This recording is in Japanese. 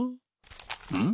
うん？